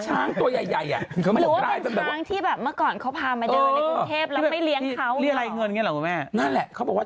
ช้างตัวใหญ่เหมือนก็เป็นช้างที่เมื่อขอนเค้าพามาเดินคลุงเทพแล้วไม่เลี้ยงเขา